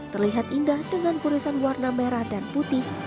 terlihat indah dengan kurisan warna merah dan putih